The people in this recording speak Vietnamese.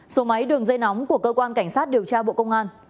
số máy đường dây nóng của cơ quan cảnh sát điều tra bộ công an